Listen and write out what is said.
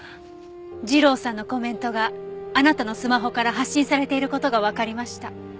ジローさんのコメントがあなたのスマホから発信されている事がわかりました。